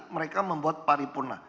mereka membuat paripurna